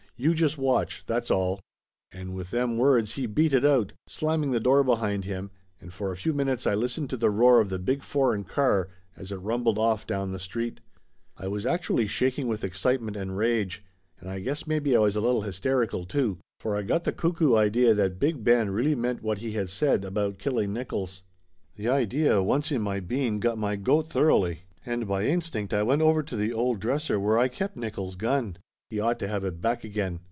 "You just watch, that's all !" And with them words he beat it out, slamming the door behind him, and for a few minutes I listened to the roar of the big foreign car as it rumbled off down the street. I was actually shaking with excitement and rage, and I guess maybe I was a little hysterical, too, for I got the cuckoo idea that Big Ben really meant what he had said about killing Nickolls. The idea, once in my bean, got my goat thoroughly, and by instinct I went over to the old dresser where I kept Nickolls' gun. He ought to have it back again.